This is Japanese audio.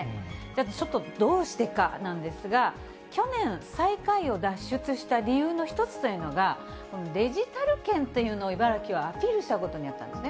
ちょっとどうしてかなんですが、去年、最下位を脱出した理由の一つというのが、デジタル県というのを茨城はアピールしたことにあったんですね。